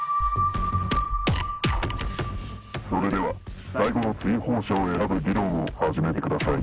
それでは最後の追放者を選ぶ議論を始めてください。